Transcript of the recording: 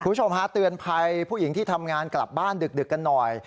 คุณผู้ชมฮะเตือนภัยผู้หญิงที่ทำงานกลับบ้านดึกกันหน่อย